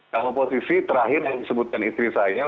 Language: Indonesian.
kalau posisi terakhir yang disebutkan istri saya